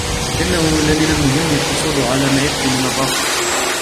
انه لمن المهم جداً الحصول على ما يكفي من الراحة.